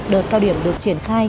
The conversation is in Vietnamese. đợt cao điểm được triển khai